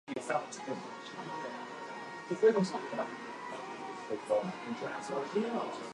Perm State University, a place of dreams and hope,